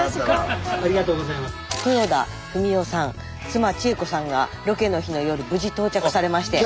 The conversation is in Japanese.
妻千恵子さんがロケの日の夜無事到着されまして。